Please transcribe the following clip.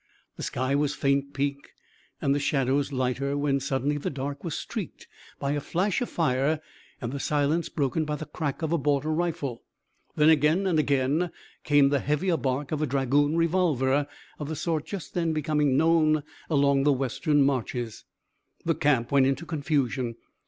The sky was faint pink and the shadows lighter when suddenly the dark was streaked by a flash of fire and the silence broken by the crack of a border rifle. Then again and again came the heavier bark of a dragoon revolver, of the sort just then becoming known along the Western marches. The camp went into confusion.